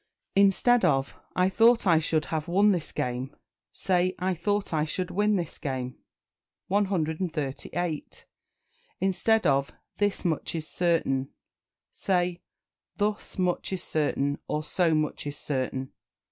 Instead of "I thought I should have won this game," say "I thought I should win this game." 138. Instead of "This much is certain," say "Thus much is certain," or, "So much is certain."